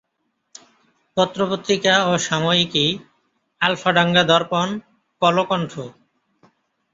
পত্র-পত্রিকা ও সাময়িকী আলফাডাঙ্গা দর্পণ, কলকণ্ঠ।